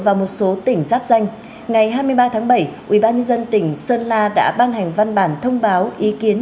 và một số tỉnh giáp danh ngày hai mươi ba tháng bảy ubnd tỉnh sơn la đã ban hành văn bản thông báo ý kiến